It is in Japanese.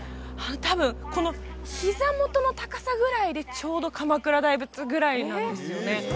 多分この膝元の高さぐらいでちょうど鎌倉大仏ぐらいなんですよね